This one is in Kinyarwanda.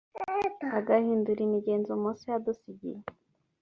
agahindura imigenzo mose yadusigiye